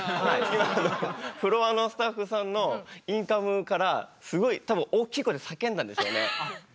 今のフロアのスタッフさんのインカムからすごい多分大きい声で叫んだんですよね。